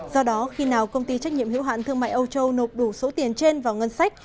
do đó khi nào công ty trách nhiệm hiệu hạn thương mại âu châu nộp đủ số tiền trên vào ngân sách